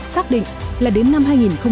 xác định là đến năm hai nghìn hai mươi